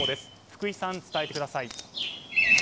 福井さん、伝えてください。